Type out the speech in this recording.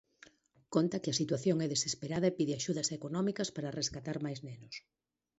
Conta que a situación é desesperada e pide axudas económicas para rescatar máis nenos.